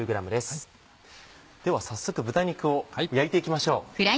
では早速豚肉を焼いていきましょう。